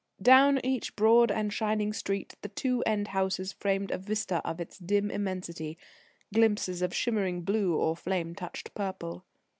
Down each broad and shining street the two end houses framed a vista of its dim immensity glimpses of shimmering blue, or flame touched purple.